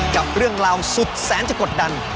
กับเรื่องราวสุดแสนจะกดดัน